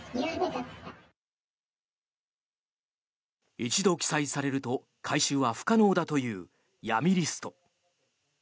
一度記載されると回収は不可能だという闇リスト。